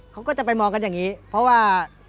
เขาก็จะไปมองกันอย่างนี้เพราะว่า